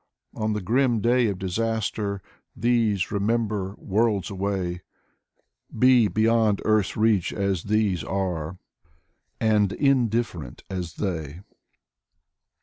On the grim day of disaster These remember, worlds away: Be beyond earth's reach as these are^ And indifferent as they.